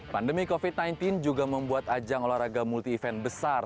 pandemi covid sembilan belas juga membuat ajang olahraga multi event besar